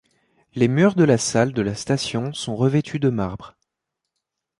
Les murs de la salle de la station sont revêtus de marbre.